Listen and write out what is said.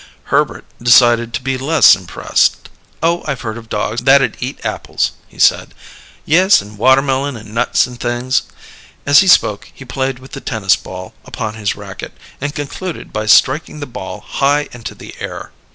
Herbert decided to be less impressed. "Oh, I've heard of dogs that'd eat apples," he said. "Yes, and watermelon and nuts and things." As he spoke he played with the tennis ball upon his racket, and concluded by striking the ball high into the air.